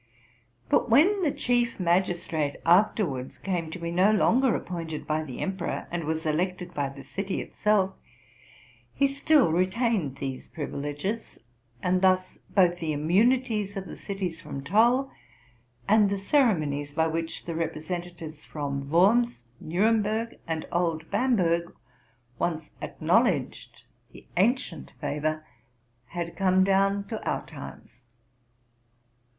But when the chief magistrate afterwards came to be no longer appointed by the emperor, and was elected by the city itself, he still retained these privileges ; and thus both the immunities of the cities from toll, and the ceremonies by which the representatives from Worms, Nuremberg, and old Bamberg, once acknowledged the ancient favor, had come down to our times.